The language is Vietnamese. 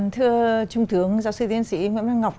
thưa trung tướng giáo sư tiến sĩ nguyễn văn ngọc